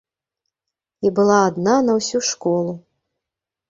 І была адна на ўсю школу.